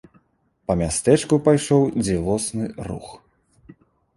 Па мястэчку пайшоў дзівосны рух.